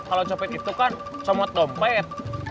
kalau copet itu kan comot dompet